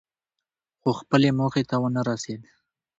خو خپلې موخې ته ونه رسېد.